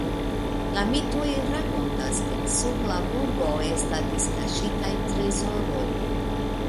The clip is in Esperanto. La mitoj rakontas, ke sub la burgo estadis kaŝitaj trezoroj.